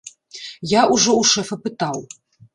Я ўжо ў шэфа пытаў.